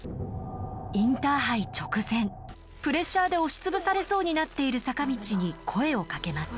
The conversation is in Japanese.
インターハイ直前プレッシャーで押し潰されそうになっている坂道に声をかけます。